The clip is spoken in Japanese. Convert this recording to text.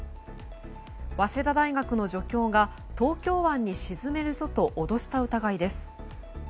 早稲田大学の助教が東京湾に沈めるぞと脅した疑いです。